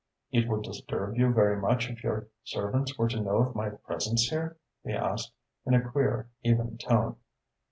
"It would disturb you very much if your servants were to know of my presence here?" he asked, in a queer, even tone.